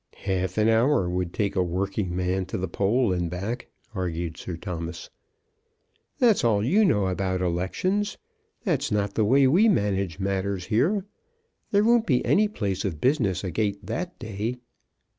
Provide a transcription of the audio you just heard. "Half an hour would take a working man to the poll and back," argued Sir Thomas. "That's all you know about elections. That's not the way we manage matters here. There won't be any place of business agait that day."